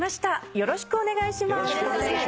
よろしくお願いします。